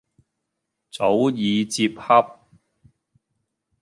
早已接洽。